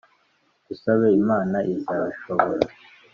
Dusabe imana izabishobora.